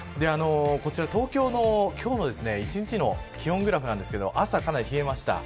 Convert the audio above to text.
こちら東京の今日の一日の気温グラフですが朝はかなり冷えました。